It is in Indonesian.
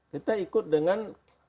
kita ikut dengan